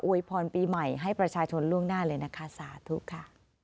วยพรปีใหม่ให้ประชาชนล่วงหน้าเลยนะคะสาธุค่ะ